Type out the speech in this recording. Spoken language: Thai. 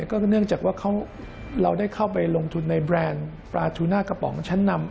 ก็เนื่องจากว่าเราได้เข้าไปลงทุนในแบรนด์ปลาทูน่ากระป๋องชั้นนำ